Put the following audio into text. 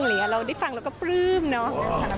หรืออันนี้ฟังเราก็พลืมเนาะ